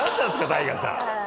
ＴＡＩＧＡさん。